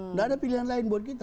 nggak ada pilihan lain buat kita